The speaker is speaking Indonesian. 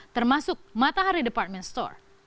termasuk matahari department store